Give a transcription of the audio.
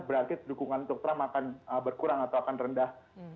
berarti dukungan untuk trump akan berkurang atau akan rendah